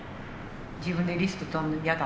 自分でリスクとるの嫌だ